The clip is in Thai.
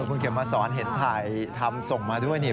คุณเข็มมาสอนเห็นถ่ายทำส่งมาด้วยนี่